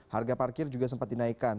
harga parkir juga sempat dinaikkan